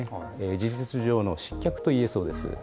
事実上の失脚と言えそうです。